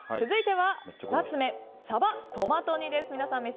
続いては、２つ目さばトマト煮です。